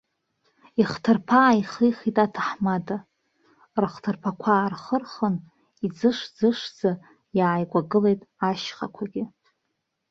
Ихҭырԥа ааихихит аҭаҳмада, рыхҭырԥақәа аархырхын, иӡыш-ӡышӡа иааикәагылеит ашьхақәагьы.